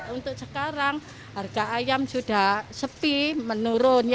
untuk sekarang harga ayam sudah sepi menurun